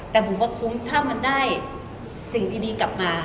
แต่บุ๋มว่าคุ้มถ้ามันได้สิ่งดีกลับมา